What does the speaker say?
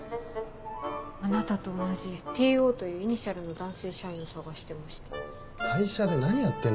あなたと同じＴ・Ｏというイニシャルの男性社員を探してまして。